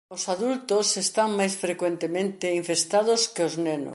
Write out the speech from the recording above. Os adultos están máis frecuentemente infestados que os nenos.